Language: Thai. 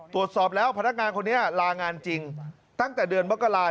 ตรวจสอบแล้วพนักงานคนนี้ลางานจริงตั้งแต่เดือนมกราศ